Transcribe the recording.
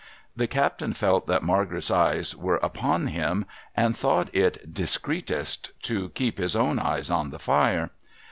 The captain felt that Margaret's eyes were upon him, and thought it discreetest to keep his own eyes on the fire.